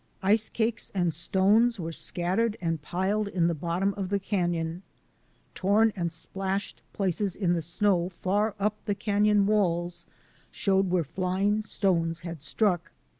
Ice cakes and stones were scattered and piled in the bottom of the canon. Torn and splashed places in the snow far up on the canon walls showed where flying stones had struck.